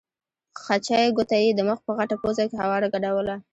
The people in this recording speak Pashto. خچۍ ګوته یې د مخ په غټه پوزه کې هواره ګډوله.